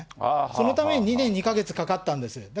そのために２年２か月かかったんです。